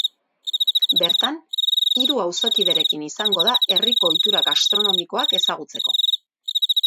Bertan, hiru auzokiderekin izango da herriko ohitura gastronomikoak ezagutzeko.